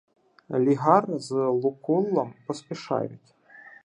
Лігар з Лукуллом поспішають